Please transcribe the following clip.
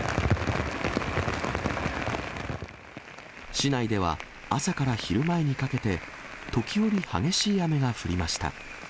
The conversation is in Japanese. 市内では朝から昼前にかけて、時折、激しい雨が降りました。